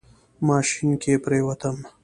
ماشين کې پرېوتم.